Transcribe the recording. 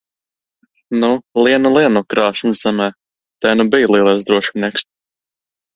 Nu, lien nu lien no krāsns zemē! Te nu bij lielais drošinieks!